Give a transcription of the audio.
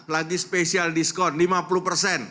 lagi spesial diskon lima puluh persen